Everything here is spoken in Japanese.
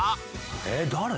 「えっ誰？」